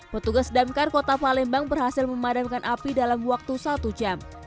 petugas damkar kota palembang berhasil memadamkan api dalam waktu satu jam